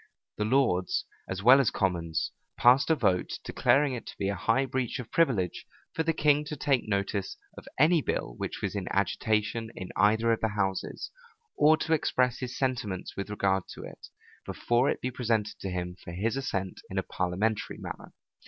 The lords, as well as commons, passed a vote, declaring it to be a high breach of privilege for the king to take notice of any bill which was in agitation in either of the houses, or to express his sentiments with regard to it, before it be presented to him for his assent in a parliamentary manner.